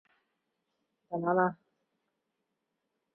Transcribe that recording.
春梅最后嫁给了一名达官贵人。